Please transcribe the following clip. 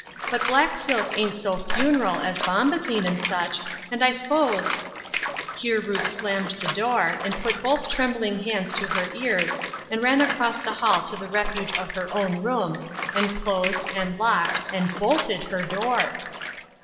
But black silk ain't so funeral as bombazine and such, and I s'pose —" Here Ruth slammed the door, and put both trembling hands to her ears, and ran across the hall to the refuge of her own room, and closed, and locked, and bolted her door.